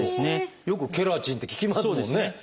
よく「ケラチン」って聞きますもんね